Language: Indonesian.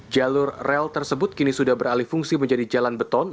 jalur rel tersebut kini sudah beralih fungsi menjadi jalan beton